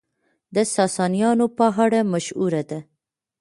د ساسانيانو په اړه مشهوره ده،